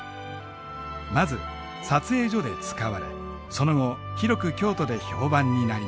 まず撮影所で使われその後広く京都で評判になりました。